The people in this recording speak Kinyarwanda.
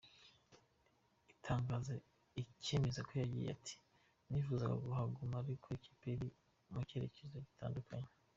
Atangaza icyemezo cye yagize ati “Nifuzaga kuhaguma ariko ikipe iri mu cyerekezo gitandukanye”.